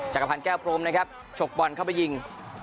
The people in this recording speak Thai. จักรพันธ์แก้วพรมนะครับฉกบอลเข้าไปยิง